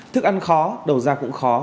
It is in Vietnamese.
thức ăn khó đầu ra cũng khó